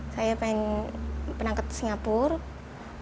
saya ingin berangkat ke singapura